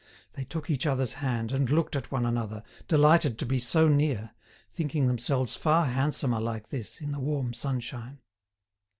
They took each other's hand, and looked at one another, delighted to be so near, thinking themselves far handsomer like this, in the warm sunshine.